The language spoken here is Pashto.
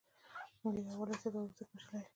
ملي یووالی څه ته وایې او څه ګټې لري؟